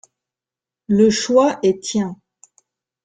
Le choix est tien.